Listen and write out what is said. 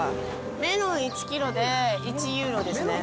メロン１キロで１ユーロですね。